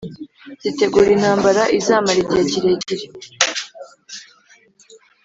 zitegura intambara izamara igihe kirere.